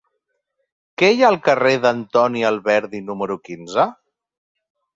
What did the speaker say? Què hi ha al carrer d'Antoni Alberdi número quinze?